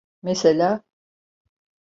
Mesela?